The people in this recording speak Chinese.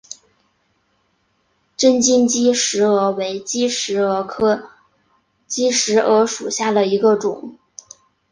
针茎姬石蛾为姬石蛾科姬石蛾属下的一个种。